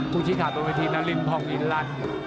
ผู้ชิดขาดตรงวิธีนารินพร้อมอินรัน